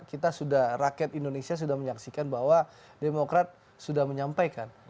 kita sudah rakyat indonesia sudah menyaksikan bahwa demokrat sudah menyampaikan